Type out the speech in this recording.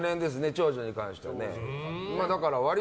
長女に関してはね。